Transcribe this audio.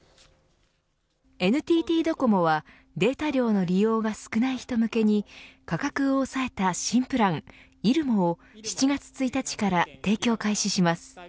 ＮＴＴドコモはデータ量の利用が少ない人向けに価格を抑えた新プランｉｒｕｍｏを７月１日から提供開始します。